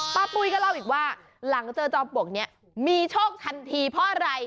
ปุ้ยก็เล่าอีกว่าหลังเจอจอมปลวกนี้มีโชคทันทีเพราะอะไร